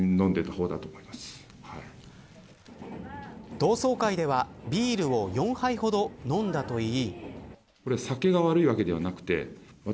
同窓会ではビールを４杯ほど飲んだといい。